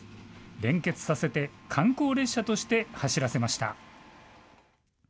連結させて観光列車として走らせました。